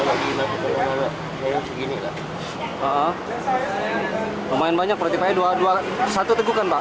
lumayan banyak satu tegukan pak